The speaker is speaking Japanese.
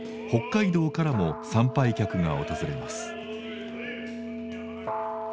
北海道からも参拝客が訪れます。